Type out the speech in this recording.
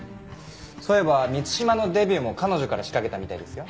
そういえば満島のデビューも彼女から仕掛けたみたいですよ。